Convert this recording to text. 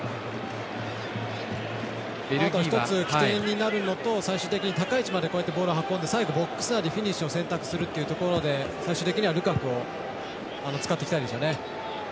あと一つ起点になるのと最終的に高い位置に運んでボックス内でフィニッシュを選択するというところで最終的にはルカクを使っていきたいですよね。